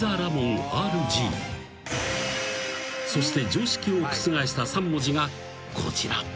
［そして常識を覆した３文字がこちら］